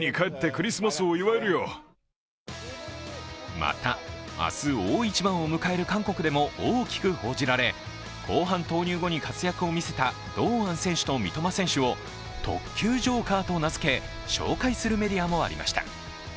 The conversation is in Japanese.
また明日、大一番を迎える韓国でも大きく報じられ後半投入後に活躍を見せた堂安選手と三笘選手を特級ジョーカーと名付け紹介するメディアもありました。